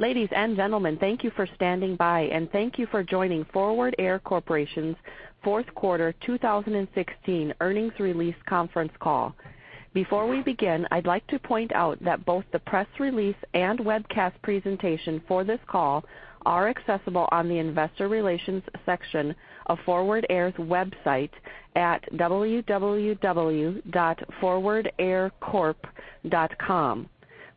Ladies and gentlemen, thank you for standing by, and thank you for joining Forward Air Corporation's fourth quarter 2016 earnings release conference call. Before we begin, I'd like to point out that both the press release and webcast presentation for this call are accessible on the investor relations section of Forward Air's website at www.forwardair.com.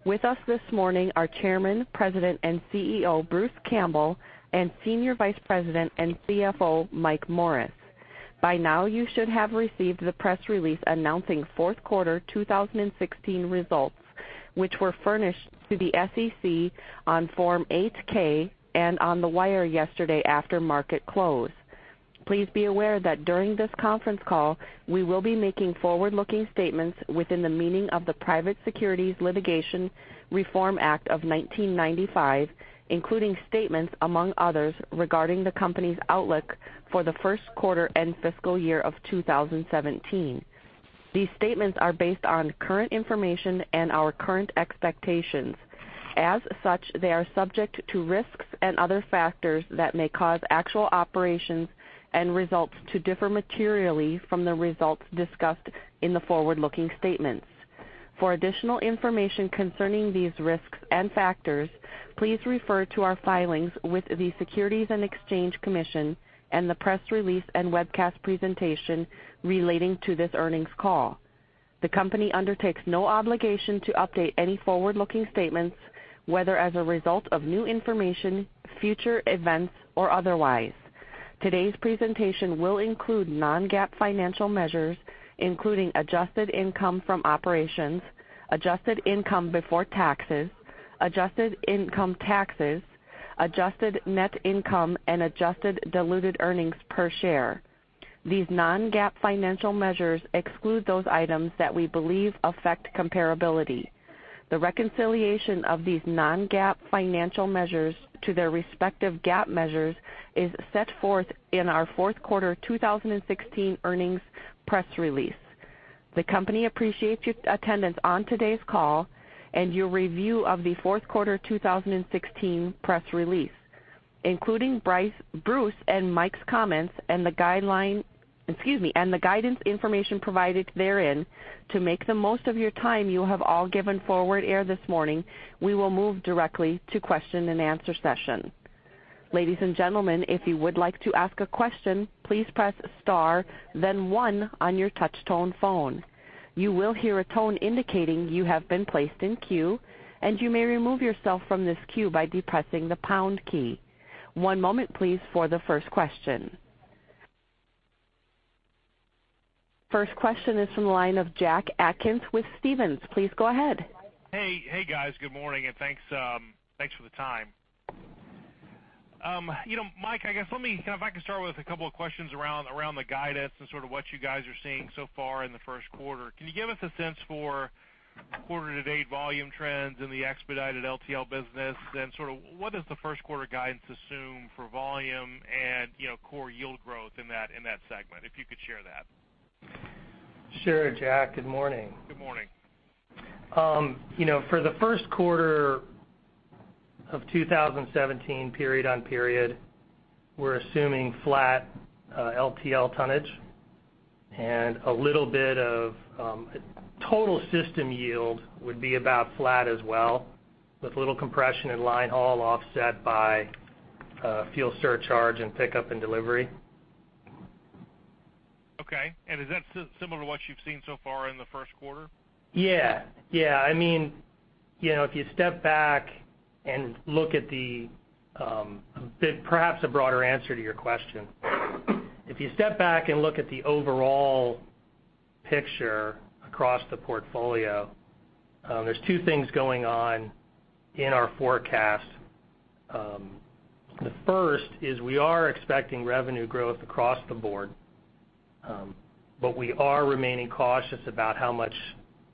With us this morning are Chairman, President, and CEO, Bruce Campbell, and Senior Vice President and CFO, Mike Morris. By now you should have received the press release announcing fourth quarter 2016 results, which were furnished to the SEC on Form 8-K and on the wire yesterday after market close. Please be aware that during this conference call, we will be making forward-looking statements within the meaning of the Private Securities Litigation Reform Act of 1995, including statements, among others, regarding the company's outlook for the first quarter and fiscal year of 2017. These statements are based on current information and our current expectations. As such, they are subject to risks and other factors that may cause actual operations and results to differ materially from the results discussed in the forward-looking statements. For additional information concerning these risks and factors, please refer to our filings with the Securities and Exchange Commission and the press release and webcast presentation relating to this earnings call. The company undertakes no obligation to update any forward-looking statements, whether as a result of new information, future events, or otherwise. Today's presentation will include non-GAAP financial measures, including adjusted income from operations, adjusted income before taxes, adjusted income taxes, adjusted net income, and adjusted diluted earnings per share. These non-GAAP financial measures exclude those items that we believe affect comparability. The reconciliation of these non-GAAP financial measures to their respective GAAP measures is set forth in our fourth quarter 2016 earnings press release. The company appreciates your attendance on today's call and your review of the fourth quarter 2016 press release, including Bruce and Mike's comments and the guideline, excuse me, and the guidance information provided therein. To make the most of your time you have all given Forward Air this morning, we will move directly to question and answer session. Ladies and gentlemen, if you would like to ask a question, please press star then one on your touch tone phone. You will hear a tone indicating you have been placed in queue, and you may remove yourself from this queue by depressing the pound key. One moment please for the first question. First question is from the line of Jack Atkins with Stephens. Please go ahead. Hey, guys. Good morning. Thanks for the time. Mike, I guess let me, if I can start with a couple of questions around the guidance and sort of what you guys are seeing so far in the first quarter. Can you give us a sense for quarter-to-date volume trends in the Expedited LTL business, and what does the first quarter guidance assume for volume and core yield growth in that segment, if you could share that? Sure, Jack. Good morning. Good morning. For the first quarter of 2017, period-on-period, we're assuming flat LTL tonnage, a little bit of total system yield would be about flat as well, with a little compression in line haul offset by a fuel surcharge and pickup and delivery. Okay. Is that similar to what you've seen so far in the first quarter? Yeah. If you step back and look at the, perhaps a broader answer to your question. If you step back and look at the overall picture across the portfolio, there's two things going on in our forecast. The first is we are expecting revenue growth across the board. We are remaining cautious about how much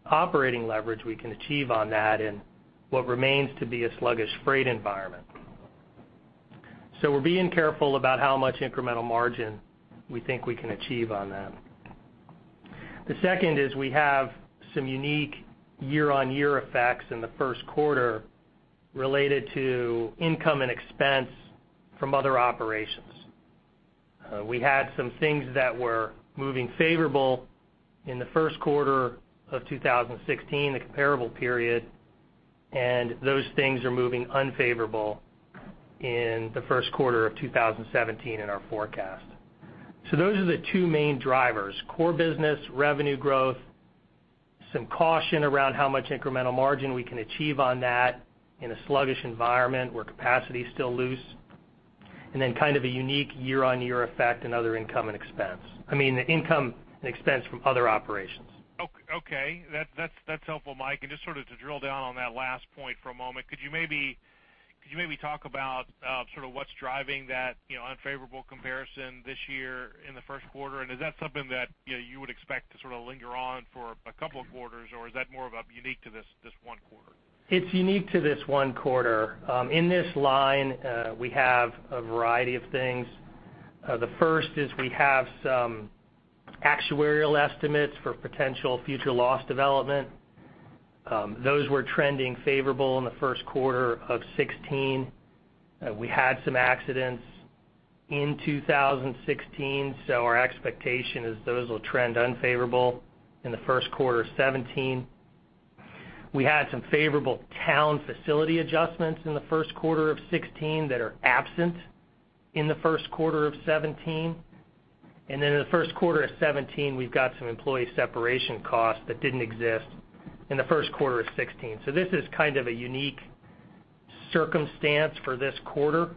operating leverage we can achieve on that in what remains to be a sluggish freight environment. We're being careful about how much incremental margin we think we can achieve on that. The second is we have some unique year-on-year effects in the first quarter related to income and expense from other operations. We had some things that were moving favorable in the first quarter of 2016, the comparable period, and those things are moving unfavorable in the first quarter of 2017 in our forecast. Those are the two main drivers, core business revenue growth, some caution around how much incremental margin we can achieve on that in a sluggish environment where capacity is still loose, and then kind of a unique year-on-year effect and other income and expense. I mean, income and expense from other operations. Okay. That's helpful, Mike. Just sort of to drill down on that last point for a moment, could you maybe talk about what's driving that unfavorable comparison this year in the first quarter, and is that something that you would expect to sort of linger on for a couple of quarters, or is that more of a unique to this one quarter? It's unique to this one quarter. In this line, we have a variety of things. The first is we have some actuarial estimates for potential future loss development. Those were trending favorable in the first quarter of 2016. We had some accidents in 2016, our expectation is those will trend unfavorable in the first quarter of 2017. We had some favorable Towne facility adjustments in the first quarter of 2016 that are absent in the first quarter of 2017. In the first quarter of 2017, we've got some employee separation costs that didn't exist in the first quarter of 2016. This is kind of a unique circumstance for this quarter.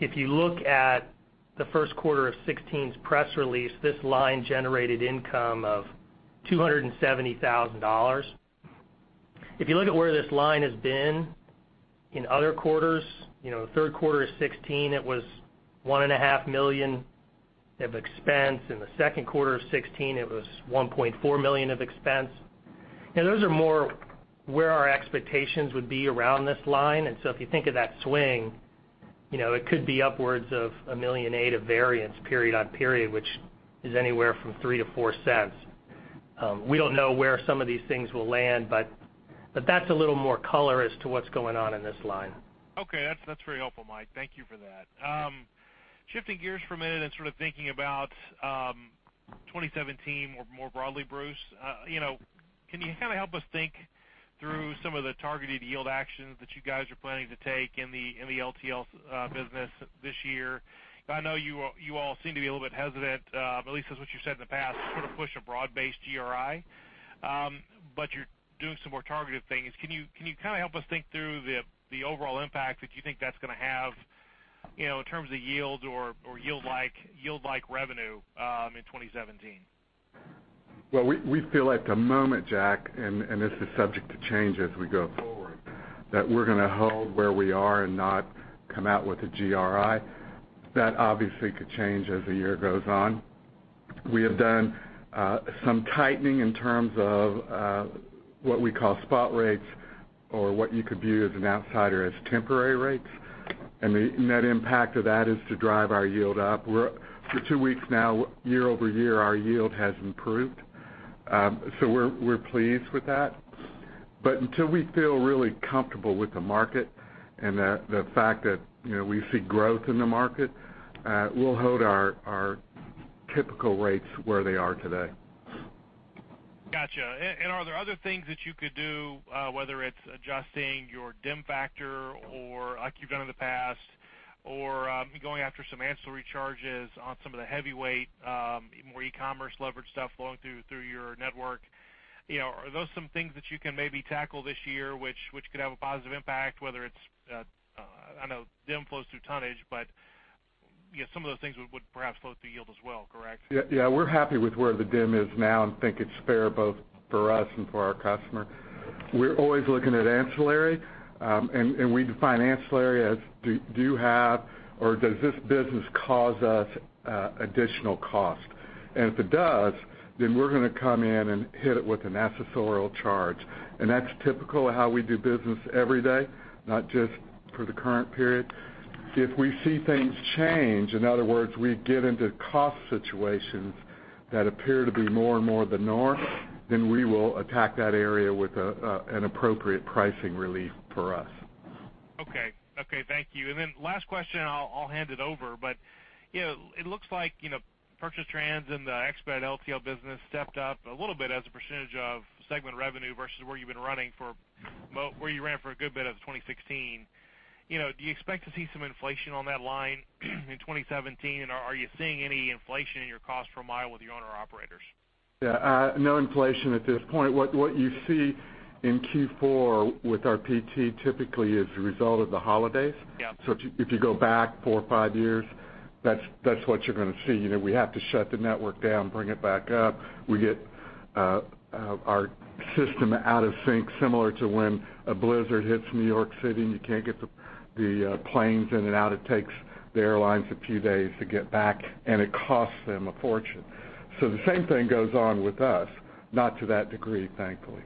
If you look at the first quarter of 2016's press release, this line generated income of $270,000. If you look at where this line has been in other quarters, third quarter of 2016, it was $1.5 million of expense. In the second quarter of 2016, it was $1.4 million of expense. Those are more where our expectations would be around this line. If you think of that swing, it could be upwards of $1.8 million of variance period on period, which is anywhere from $0.03-$0.04. We don't know where some of these things will land, that's a little more color as to what's going on in this line. Okay. That's very helpful, Mike. Thank you for that. Shifting gears for a minute and sort of thinking about 2017 more broadly, Bruce. Can you help us think through some of the targeted yield actions that you guys are planning to take in the LTL business this year? I know you all seem to be a little bit hesitant, at least that's what you said in the past, to sort of push a broad-based GRI. You're doing some more targeted things. Can you help us think through the overall impact that you think that's going to have, in terms of yield or yield-like revenue in 2017? We feel at the moment, Jack, and this is subject to change as we go forward, that we're going to hold where we are and not come out with a GRI. That obviously could change as the year goes on. We have done some tightening in terms of what we call spot rates, or what you could view as an outsider as temporary rates. The net impact of that is to drive our yield up. For two weeks now, year-over-year, our yield has improved. We're pleased with that. Until we feel really comfortable with the market and the fact that we see growth in the market, we'll hold our typical rates where they are today. Got you. Are there other things that you could do, whether it's adjusting your dimensional factor like you've done in the past, or going after some ancillary charges on some of the heavyweight, more e-commerce leverage stuff flowing through your network? Are those some things that you can maybe tackle this year which could have a positive impact, whether it's, I know dimensional flows through tonnage, some of those things would perhaps flow through yield as well, correct? We're happy with where the dimensional is now and think it's fair both for us and for our customer. We're always looking at ancillary. We define ancillary as do you have or does this business cause us additional cost? If it does, then we're going to come in and hit it with an accessorial charge. That's typical of how we do business every day, not just for the current period. If we see things change, in other words, we get into cost situations that appear to be more and more the norm, we will attack that area with an appropriate pricing relief for us. Okay. Thank you. Last question, I'll hand it over. It looks like Purchased Transportation and the Expedited LTL business stepped up a little bit as a percentage of segment revenue versus where you ran for a good bit of 2016. Do you expect to see some inflation on that line in 2017? Are you seeing any inflation in your cost per mile with your owner operators? No inflation at this point. What you see in Q4 with our PT typically is a result of the holidays. Yeah. If you go back four or five years, that's what you're going to see. We have to shut the network down, bring it back up. We get our system out of sync, similar to when a blizzard hits New York City and you can't get the planes in and out. It takes the airlines a few days to get back, and it costs them a fortune. The same thing goes on with us, not to that degree, thankfully.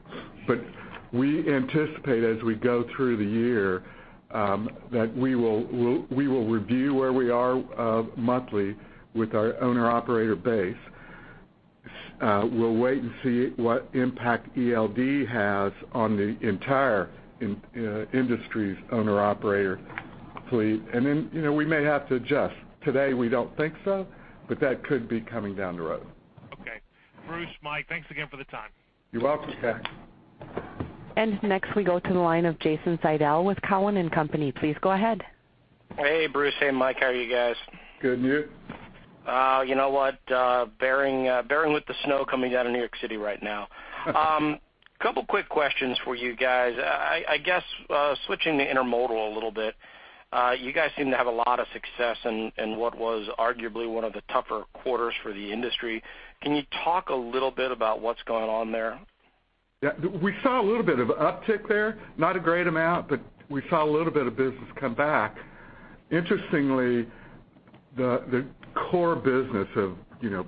We anticipate as we go through the year, that we will review where we are monthly with our owner-operator base. We'll wait and see what impact ELD has on the entire industry's owner-operator fleet. We may have to adjust. Today, we don't think so, but that could be coming down the road. Okay. Bruce, Mike, thanks again for the time. You're welcome. Next we go to the line of Jason Seidl with Cowen and Company. Please go ahead. Hey, Bruce. Hey, Mike. How are you guys? Good. You? You know what, bearing with the snow coming down in New York City right now. Couple quick questions for you guys. I guess, switching to intermodal a little bit. You guys seem to have a lot of success in what was arguably one of the tougher quarters for the industry. Can you talk a little bit about what's going on there? Yeah. We saw a little bit of uptick there. Not a great amount, but we saw a little bit of business come back. Interestingly, the core business of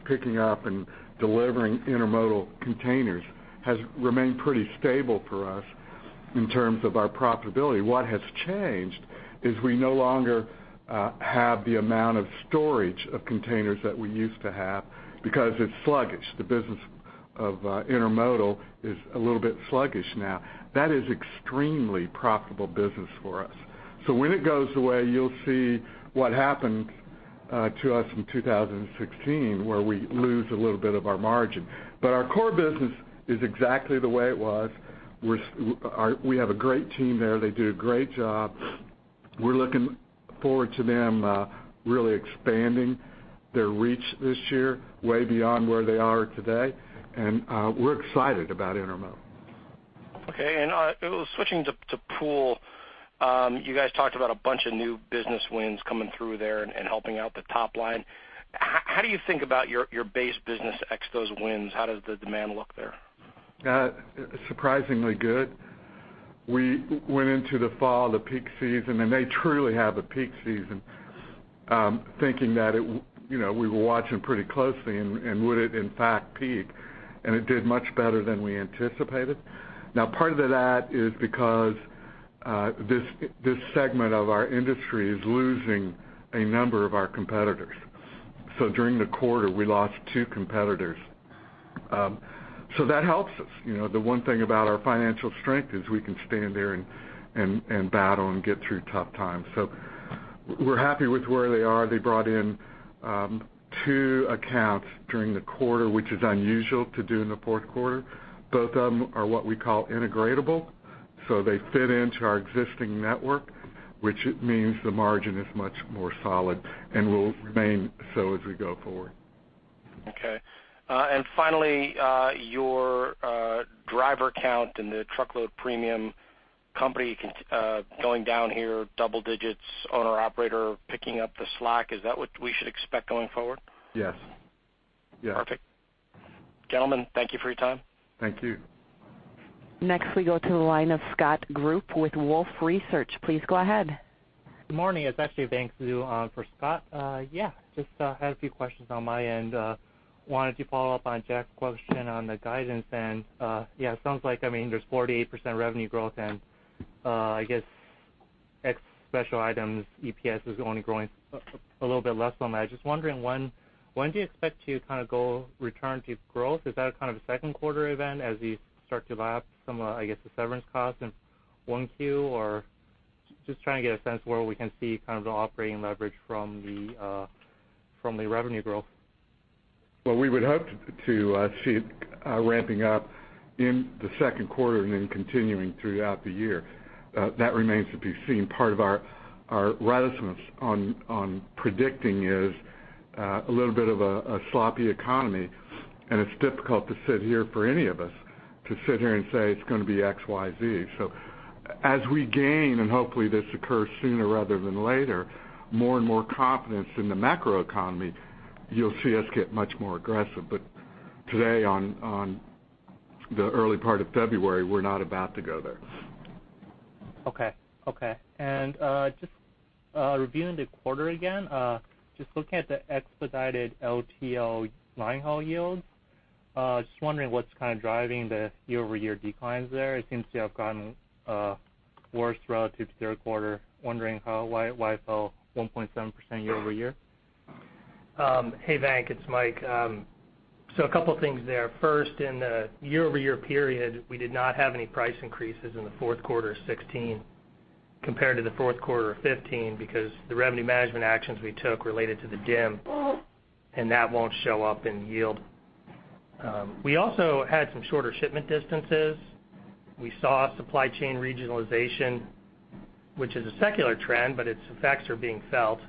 picking up and delivering intermodal containers has remained pretty stable for us. In terms of our profitability, what has changed is we no longer have the amount of storage of containers that we used to have because it's sluggish. The business of intermodal is a little bit sluggish now. That is extremely profitable business for us. When it goes away, you'll see what happened to us in 2016, where we lose a little bit of our margin. Our core business is exactly the way it was. We have a great team there. They do a great job. We're looking forward to them really expanding their reach this year, way beyond where they are today. We're excited about intermodal. Okay. Switching to pool, you guys talked about a bunch of new business wins coming through there and helping out the top line. How do you think about your base business ex those wins? How does the demand look there? Surprisingly good. We went into the fall, the peak season, they truly have a peak season, thinking that we were watching pretty closely and would it, in fact, peak? It did much better than we anticipated. Part of that is because this segment of our industry is losing a number of our competitors. During the quarter, we lost two competitors. That helps us. The one thing about our financial strength is we can stand there and battle and get through tough times. We're happy with where they are. They brought in two accounts during the quarter, which is unusual to do in the fourth quarter. Both of them are what we call integratable, so they fit into our existing network, which means the margin is much more solid and will remain so as we go forward. Okay. Finally, your driver count and the truckload premium company going down here, double-digits, owner-operator picking up the slack. Is that what we should expect going forward? Yes. Perfect. Gentlemen, thank you for your time. Thank you. Next we go to the line of Scott Group with Wolfe Research. Please go ahead. Good morning. It's actually Vanc Do for Scott. Just had a few questions on my end. Wanted to follow up on Jack's question on the guidance and, yeah, it sounds like, there's 4%-8% revenue growth and I guess ex special items, EPS is only growing a little bit less on that. Just wondering, when do you expect to kind of return to growth? Is that a second quarter event as you start to lap some of, I guess, the severance costs in 1Q? Just trying to get a sense where we can see kind of the operating leverage from the revenue growth. Well, we would hope to see it ramping up in the second quarter and then continuing throughout the year. That remains to be seen. Part of our reticence on predicting is a little bit of a sloppy economy, and it's difficult to sit here for any of us, to sit here and say it's going to be XYZ. As we gain, and hopefully this occurs sooner rather than later, more and more confidence in the macroeconomy, you'll see us get much more aggressive. Today on the early part of February, we're not about to go there. Okay. Just reviewing the quarter again, just looking at the Expedited LTL line haul yields, just wondering what's kind of driving the year-over-year declines there. It seems to have gotten worse relative to third quarter. Wondering why it fell 1.7% year-over-year. Hey, Vanc, it's Mike. A couple things there. First, in the year-over-year period, we did not have any price increases in the fourth quarter of 2016 compared to the fourth quarter of 2015 because the revenue management actions we took related to the dimensional, and that won't show up in yield. We also had some shorter shipment distances. We saw supply chain regionalization, which is a secular trend, but its effects are being felt.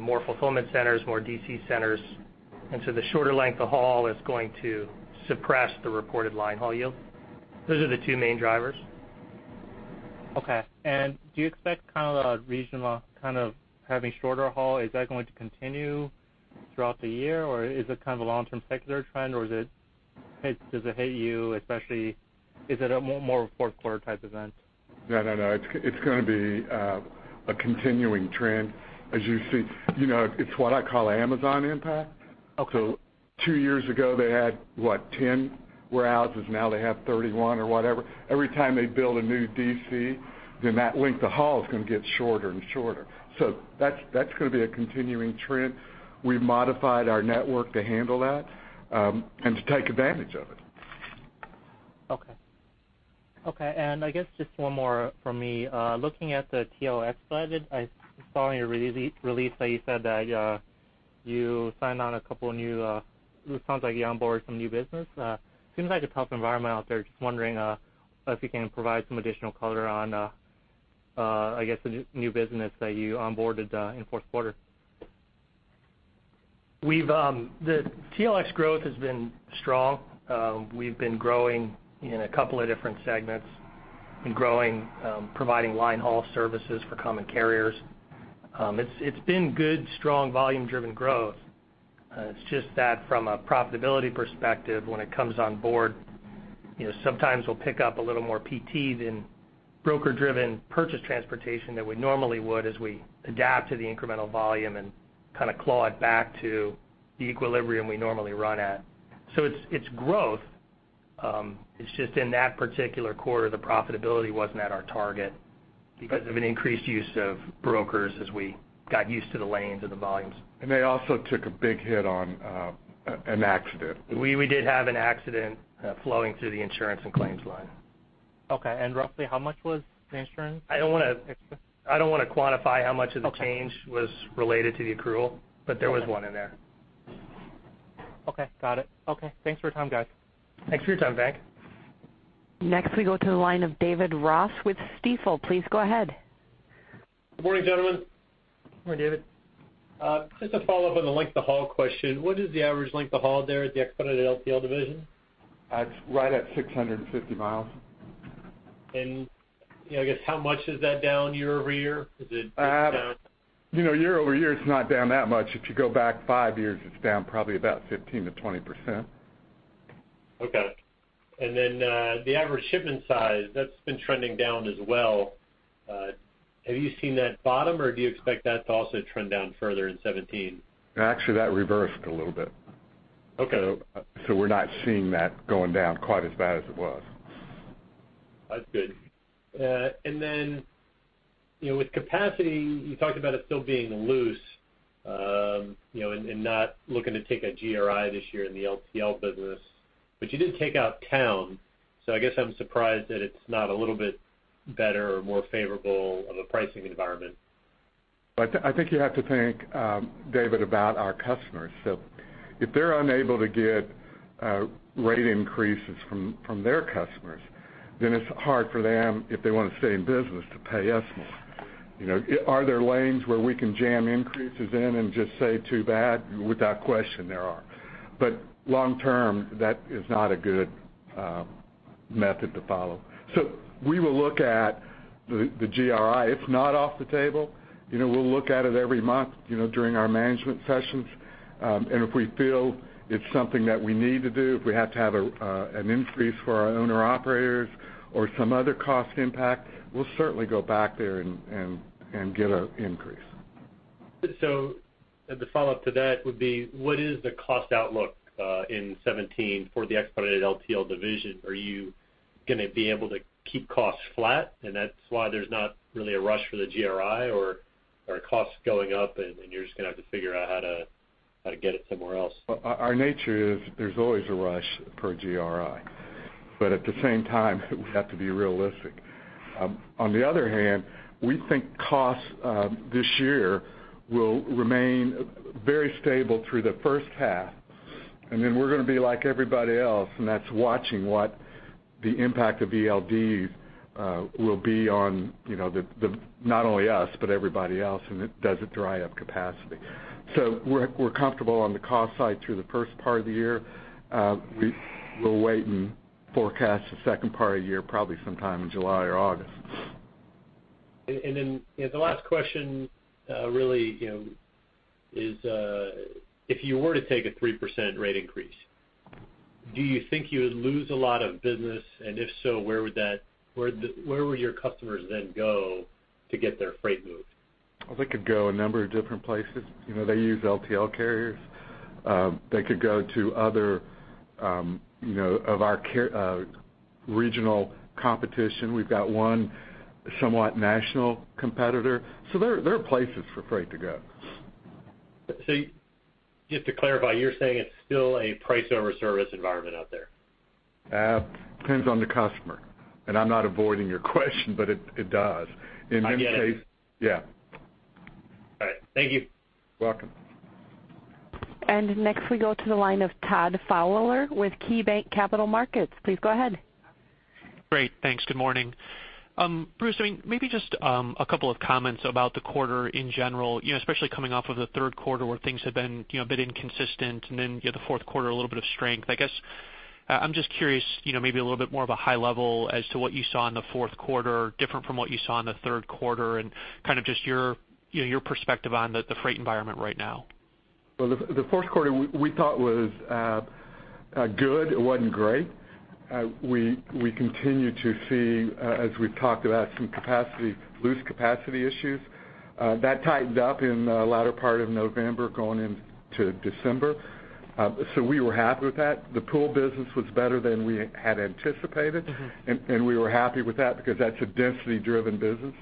More fulfillment centers, more DC centers. The shorter length of haul is going to suppress the reported line haul yield. Those are the two main drivers. Okay. Do you expect the regional having shorter haul, is that going to continue throughout the year, or is it a long-term secular trend, or does it hit you especially, is it a more fourth quarter type event? No, it's going to be a continuing trend as you see. It's what I call Amazon impact. Okay. Two years ago, they had, what, 10 warehouses? Now they have 31 or whatever. Every time they build a new DC, that length of haul is going to get shorter and shorter. That's going to be a continuing trend. We modified our network to handle that, and to take advantage of it. Okay. I guess just one more from me. Looking at the TLX side of it, I saw in your release that you said that you signed on a couple of new, it sounds like you onboard some new business. Seems like a tough environment out there. Just wondering if you can provide some additional color on, I guess, the new business that you onboarded in the fourth quarter. The TLX growth has been strong. We've been growing in a couple of different segments and growing, providing line haul services for common carriers. It's been good, strong, volume-driven growth. It's just that from a profitability perspective, when it comes on board, sometimes we'll pick up a little more PT than broker-driven Purchased Transportation than we normally would as we adapt to the incremental volume and claw it back to the equilibrium we normally run at. It's growth. It's just in that particular quarter, the profitability wasn't at our target because of an increased use of brokers as we got used to the lanes and the volumes. They also took a big hit on an accident. We did have an accident flowing through the insurance and claims line. Okay. Roughly how much was the insurance? I don't want to quantify how much of the change was related to the accrual, but there was one in there. Okay, got it. Okay, thanks for your time, guys. Thanks for your time, Vank. Next, we go to the line of David Ross with Stifel. Please go ahead. Good morning, gentlemen. Good morning, David. Just to follow up on the length of haul question, what is the average length of haul there at the Expedited LTL division? It's right at 650 miles. I guess how much is that down year-over-year? Year-over-year, it's not down that much. If you go back five years, it's down probably about 15%-20%. Okay. The average shipment size, that's been trending down as well. Have you seen that bottom, or do you expect that to also trend down further in 2017? Actually, that reversed a little bit. Okay. We're not seeing that going down quite as bad as it was. That's good. Then, with capacity, you talked about it still being loose, not looking to take a GRI this year in the LTL business. You did take out town, I guess I'm surprised that it's not a little bit better or more favorable of a pricing environment. I think you have to think, David, about our customers. If they're unable to get rate increases from their customers, then it's hard for them, if they want to stay in business, to pay us more. Are there lanes where we can jam increases in and just say, "Too bad"? Without question, there are. Long term, that is not a good method to follow. We will look at the GRI. It's not off the table. We'll look at it every month during our management sessions, and if we feel it's something that we need to do, if we have to have an increase for our owner-operators or some other cost impact, we'll certainly go back there and get an increase. The follow-up to that would be, what is the cost outlook in 2017 for the Expedited LTL division? Are you going to be able to keep costs flat, and that's why there's not really a rush for the GRI? Are costs going up and you're just going to have to figure out how to get it somewhere else? Our nature is there's always a rush per GRI, but at the same time, we have to be realistic. On the other hand, we think costs this year will remain very stable through the first half, and then we're going to be like everybody else, and that's watching what the impact of ELDs will be on not only us, but everybody else, and does it dry up capacity. We're comfortable on the cost side through the first part of the year. We'll wait and forecast the second part of the year probably sometime in July or August. The last question really is, if you were to take a 3% rate increase, do you think you would lose a lot of business? If so, where would your customers then go to get their freight moved? Well, they could go a number of different places. They use LTL carriers. They could go to other regional competition. We've got one somewhat national competitor, so there are places for freight to go. Just to clarify, you're saying it's still a price over service environment out there? Depends on the customer. I'm not avoiding your question, it does. I get it. Yeah. All right. Thank you. Welcome. Next we go to the line of Todd Fowler with KeyBanc Capital Markets. Please go ahead. Great, thanks. Good morning. Bruce, maybe just a couple of comments about the quarter in general, especially coming off of the third quarter where things had been a bit inconsistent and then the fourth quarter, a little bit of strength. I guess I'm just curious, maybe a little bit more of a high level as to what you saw in the fourth quarter, different from what you saw in the third quarter and just your perspective on the freight environment right now. Well, the fourth quarter we thought was good. It wasn't great. We continue to see, as we've talked about, some loose capacity issues. That tightened up in the latter part of November going into December. We were happy with that. The pool business was better than we had anticipated, and we were happy with that because that's a density-driven business.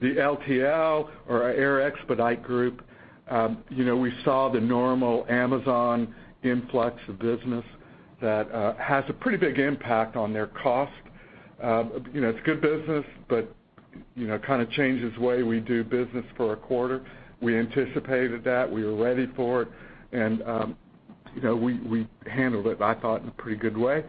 The LTL or our air expedite group, we saw the normal Amazon influx of business that has a pretty big impact on their cost. It's good business, but changes the way we do business for a quarter. We anticipated that, we were ready for it, and we handled it, I thought, in a pretty good way.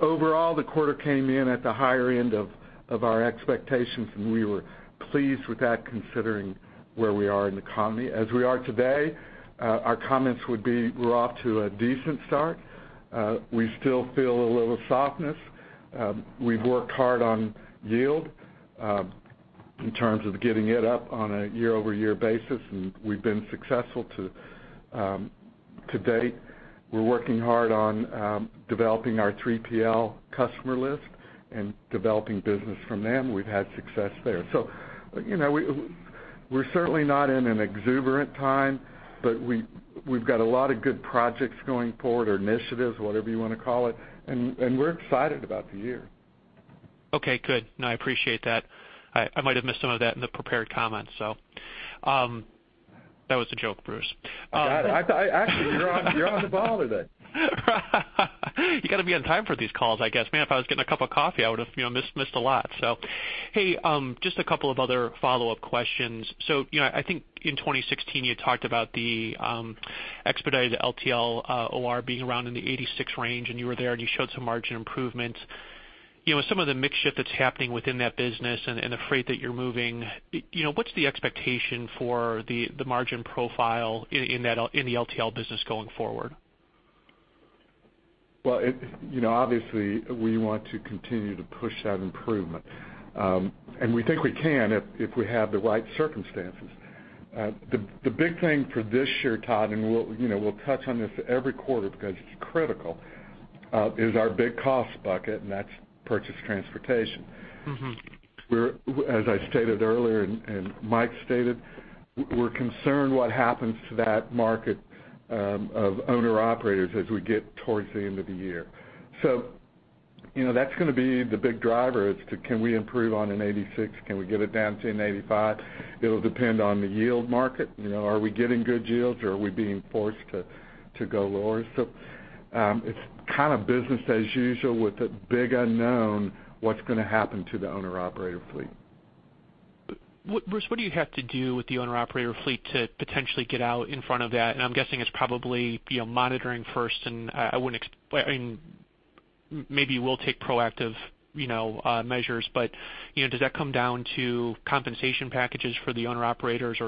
Overall, the quarter came in at the higher end of our expectations, and we were pleased with that considering where we are in the economy. As we are today, our comments would be we're off to a decent start. We still feel a little softness. We've worked hard on yield. In terms of getting it up on a year-over-year basis, and we've been successful to date. We're working hard on developing our 3PL customer list and developing business from them. We've had success there. We're certainly not in an exuberant time, but we've got a lot of good projects going forward, or initiatives, whatever you want to call it, and we're excited about the year. Okay, good. No, I appreciate that. I might have missed some of that in the prepared comments, so. That was a joke, Bruce. Actually, you're on ball today. You got to be on time for these calls, I guess. Man, if I was getting a cup of coffee, I would've missed a lot. Hey, just a couple of other follow-up questions. I think in 2016, you talked about the Expedited LTL OR being around in the 86 range, and you were there and you showed some margin improvements. Some of the mix shift that's happening within that business and the freight that you're moving, what's the expectation for the margin profile in the LTL business going forward? Well, obviously, we want to continue to push that improvement. We think we can if we have the right circumstances. The big thing for this year, Todd, and we'll touch on this every quarter because it's critical, is our big cost bucket, and that's Purchased Transportation. As I stated earlier and Mike stated, we're concerned what happens to that market of owner-operators as we get towards the end of the year. That's going to be the big driver, is can we improve on an 86? Can we get it down to an 85? It'll depend on the yield market. Are we getting good yields or are we being forced to go lower? It's kind of business as usual with the big unknown, what's going to happen to the owner-operator fleet. Bruce, what do you have to do with the owner-operator fleet to potentially get out in front of that? I'm guessing it's probably monitoring first, and maybe we'll take proactive measures, does that come down to compensation packages for the owner-operators?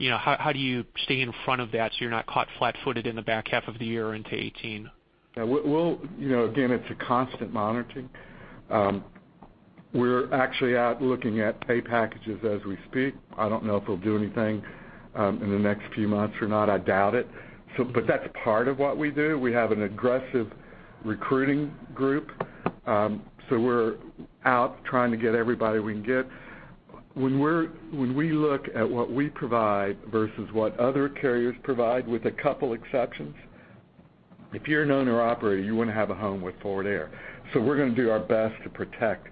How do you stay in front of that so you're not caught flat-footed in the back half of the year into 2018? Again, it's a constant monitoring. We're actually out looking at pay packages as we speak. I don't know if it'll do anything in the next few months or not. I doubt it. That's part of what we do. We have an aggressive recruiting group. We're out trying to get everybody we can get. When we look at what we provide versus what other carriers provide, with a couple exceptions, if you're an owner-operator, you want to have a home with Forward Air. We're going to do our best to protect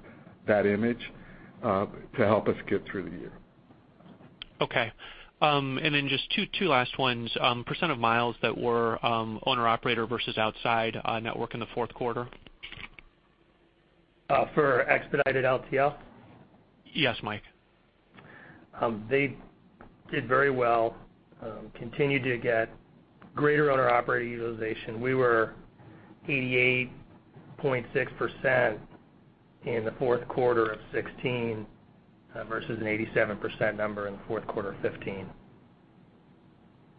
that image to help us get through the year. Okay. Just two last ones. % of miles that were owner-operator versus outside network in the fourth quarter? For Expedited LTL? Yes, Mike. They did very well. Continued to get greater owner-operator utilization. We were 88.6% in the fourth quarter of 2016 versus an 87% number in the fourth quarter of 2015.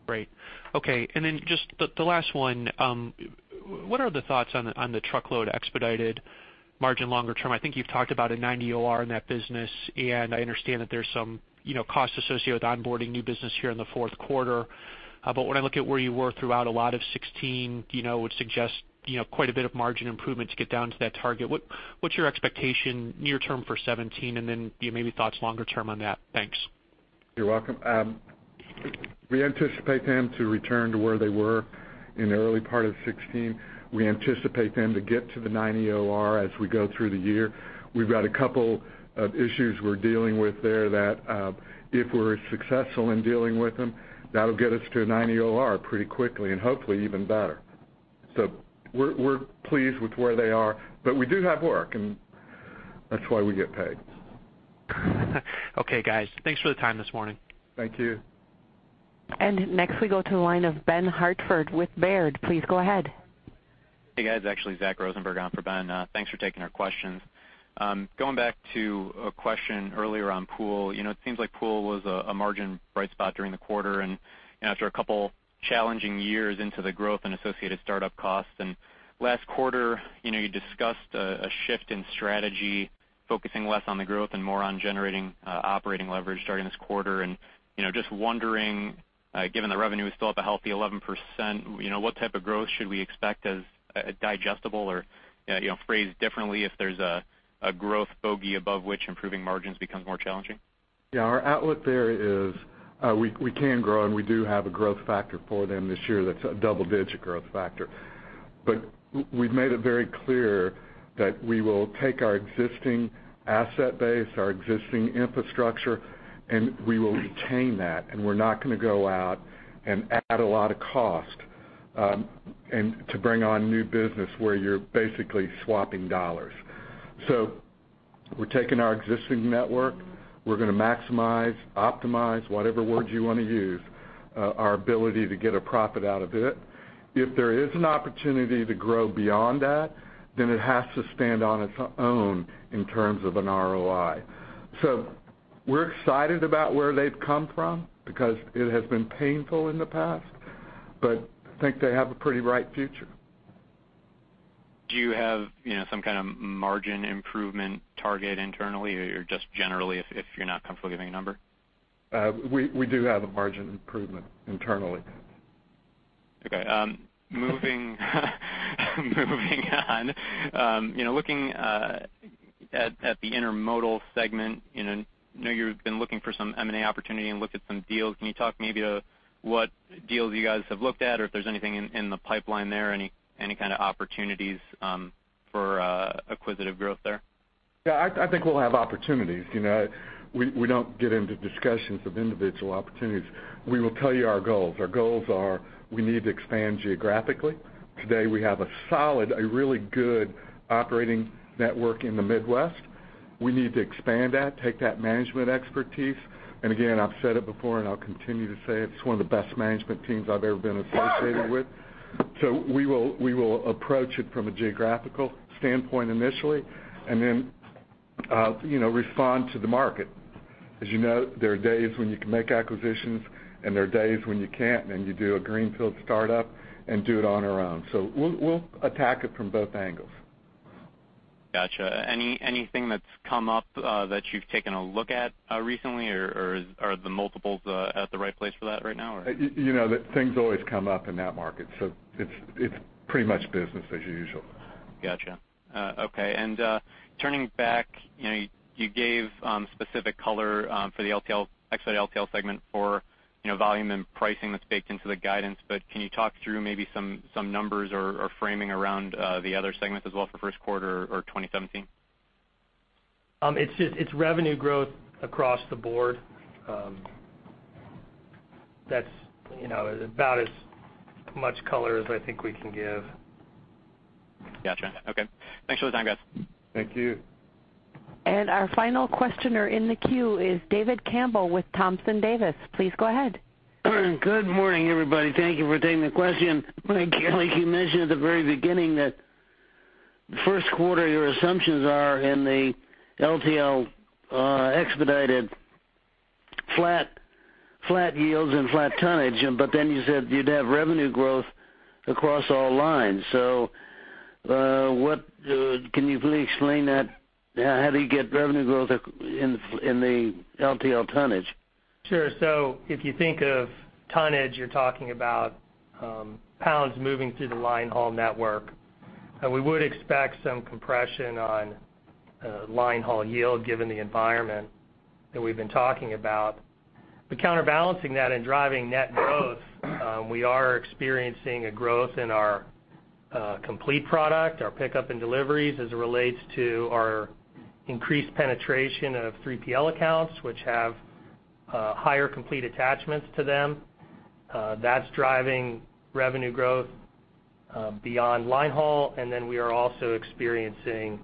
Great. Okay, just the last one. What are the thoughts on the truckload expedited margin longer term? I think you've talked about a 90 OR in that business, and I understand that there's some cost associated with onboarding new business here in the fourth quarter. When I look at where you were throughout a lot of 2016, would suggest quite a bit of margin improvement to get down to that target. What's your expectation near term for 2017 and then maybe thoughts longer term on that? Thanks. You're welcome. We anticipate them to return to where they were in the early part of 2016. We anticipate them to get to the 90% OR as we go through the year. We've got two issues we're dealing with there that, if we're successful in dealing with them, that'll get us to a 90% OR pretty quickly and hopefully even better. We're pleased with where they are, but we do have work, and that's why we get paid. Okay, guys. Thanks for the time this morning. Thank you. Next we go to the line of Benjamin Hartford with Baird. Please go ahead. Hey, guys. Actually, Zach Rosenberg on for Ben. Thanks for taking our questions. Going back to a question earlier on pool. It seems like pool was a margin bright spot during the quarter and after a couple challenging years into the growth and associated startup costs. Last quarter, you discussed a shift in strategy, focusing less on the growth and more on generating operating leverage during this quarter. Just wondering, given the revenue is still up a healthy 11%, what type of growth should we expect as digestible or phrased differently, if there's a growth bogey above which improving margins becomes more challenging? Our outlook there is we can grow, we do have a growth factor for them this year that's a double-digit growth factor. We've made it very clear that we will take our existing asset base, our existing infrastructure, we will retain that, we're not going to go out and add a lot of cost to bring on new business where you're basically swapping dollars. We're taking our existing network. We're going to maximize, optimize, whatever word you want to use our ability to get a profit out of it. If there is an opportunity to grow beyond that, it has to stand on its own in terms of an ROI. We're excited about where they've come from because it has been painful in the past, I think they have a pretty bright future. Do you have some kind of margin improvement target internally or just generally, if you're not comfortable giving a number? We do have a margin improvement internally. Okay. Moving on, looking at the intermodal segment, I know you've been looking for some M&A opportunity and looked at some deals. Can you talk maybe about what deals you guys have looked at, or if there's anything in the pipeline there, any kind of opportunities for acquisitive growth there? Yeah. I think we'll have opportunities. We don't get into discussions of individual opportunities. We will tell you our goals. Our goals are we need to expand geographically. Today, we have a solid, a really good operating network in the Midwest. We need to expand that, take that management expertise, and again, I've said it before and I'll continue to say it's one of the best management teams I've ever been associated with. We will approach it from a geographical standpoint initially, and then respond to the market. As you know, there are days when you can make acquisitions, and there are days when you can't, and you do a greenfield startup and do it on our own. We'll attack it from both angles. Got you. Anything that's come up that you've taken a look at recently, or are the multiples at the right place for that right now? Things always come up in that market, so it's pretty much business as usual. Got you. Okay. Turning back, you gave specific color for the Expedited LTL segment for volume and pricing that's baked into the guidance. Can you talk through maybe some numbers or framing around the other segments as well for Q1 or 2017? It's revenue growth across the board. That's about as much color as I think we can give. Got you. Okay. Thanks for the time, guys. Thank you. Our final questioner in the queue is David Campbell with Thompson, Davis. Please go ahead. Good morning, everybody. Thank you for taking the question. Mike, you mentioned at the very beginning that the first quarter, your assumptions are in the LTL Expedited flat yields and flat tonnage. You said you'd have revenue growth across all lines. Can you please explain that? How do you get revenue growth in the LTL tonnage? Sure. If you think of tonnage, you're talking about pounds moving through the line haul network. We would expect some compression on line haul yield, given the environment that we've been talking about. Counterbalancing that and driving net growth, we are experiencing a growth in our complete product, our pickup and deliveries, as it relates to our increased penetration of 3PL accounts, which have higher complete attachments to them. That's driving revenue growth beyond line haul, and then we are also experiencing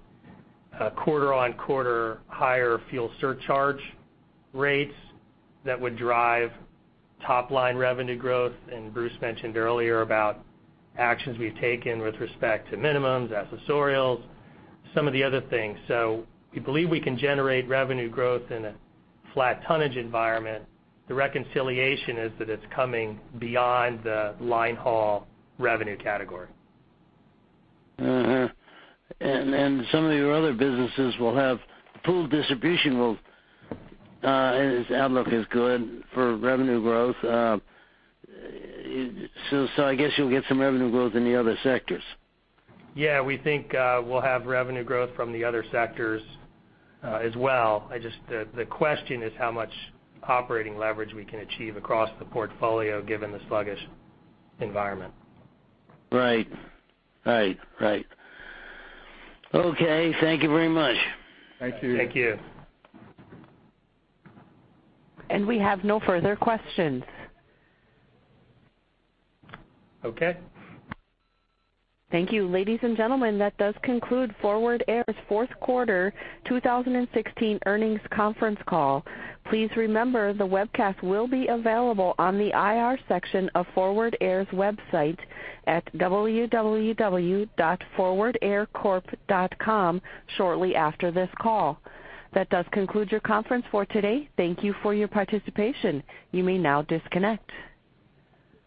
a quarter-on-quarter higher fuel surcharge rates that would drive top-line revenue growth. Bruce mentioned earlier about actions we've taken with respect to minimums, accessorials, some of the other things. We believe we can generate revenue growth in a flat tonnage environment. The reconciliation is that it's coming beyond the line haul revenue category. Some of your other businesses will have pooled distribution. Its outlook is good for revenue growth. I guess you'll get some revenue growth in the other sectors. We think we'll have revenue growth from the other sectors as well. The question is how much operating leverage we can achieve across the portfolio, given the sluggish environment. Right. Okay. Thank you very much. Thank you. Thank you. We have no further questions. Okay. Thank you. Ladies and gentlemen, that does conclude Forward Air's Q4 2016 earnings conference call. Please remember, the webcast will be available on the IR section of Forward Air's website at www.forwardair.com shortly after this call. That does conclude your conference for today. Thank you for your participation. You may now disconnect.